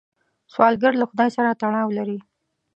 سوالګر له خدای سره تړاو لري